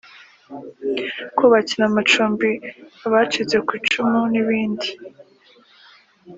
kubakira amacumbi abacitse ku icumu batishoboye n’ibindi